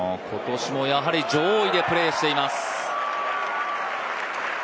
今年もやはり上位でプレーしています。